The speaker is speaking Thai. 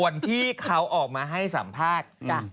เราออกมาให้สัมภาษณ์